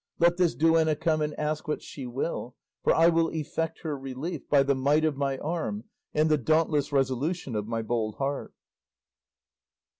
Let this duenna come and ask what she will, for I will effect her relief by the might of my arm and the dauntless resolution of my bold heart."